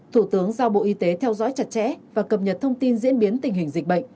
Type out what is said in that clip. thủ tướng giao bộ y tế theo dõi chặt chẽ và cập nhật thông tin diễn biến tình hình dịch bệnh